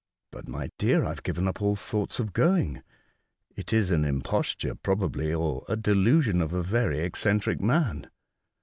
" But, my dear, I have given up all thoughts of going. It is an imposture probably, or a delusion of a very eccentric man."